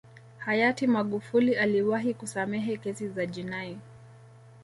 hayati magufuli aliwahi kusamehe kesi za jinai